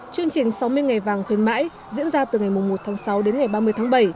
chương trình sáu mươi ngày vàng khuyến mãi diễn ra từ ngày một tháng sáu đến ngày ba mươi tháng bảy